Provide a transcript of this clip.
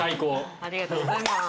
ありがとうございます。